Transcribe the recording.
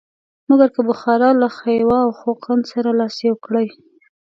مګر که بخارا له خیوا او خوقند سره لاس یو کړي.